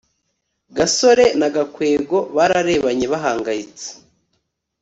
gasore na gakwego bararebanye bahangayitse